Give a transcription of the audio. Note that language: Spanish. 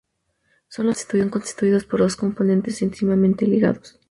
Son los que están constituidos por dos componentes íntimamente ligados.